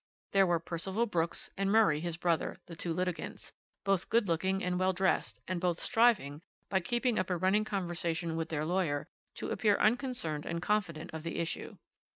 There were Percival Brooks and Murray his brother, the two litigants, both good looking and well dressed, and both striving, by keeping up a running conversation with their lawyer, to appear unconcerned and confident of the issue.